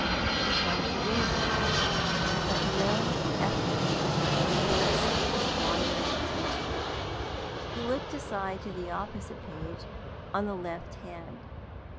He tried to read them, but no effort could fix his wandering attention. He looked aside to the opposite page, on the left hand.